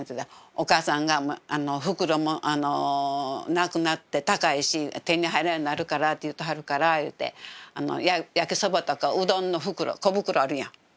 おかあさんが袋なくなって高いし手に入らんようなるからって言うてはるからゆうて焼きそばとかうどんの袋小袋あるやん。